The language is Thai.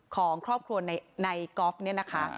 ของครอบครัวในกอล์ฟเนี่ยนะคะ